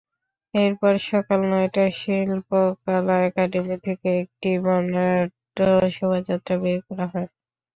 এরপর সকাল নয়টায় শিল্পকলা একাডেমি থেকে একটি বর্ণাঢ্য শোভাযাত্রা বের করা হয়।